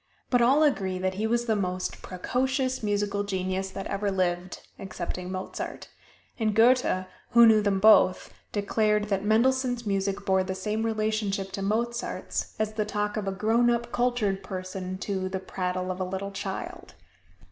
But all agree that he was the most precocious musical genius that ever lived, excepting Mozart; and Goethe, who knew them both, declared that Mendelssohn's music bore the same relationship to Mozart's as the talk of a grown up cultured person to the prattle of a child.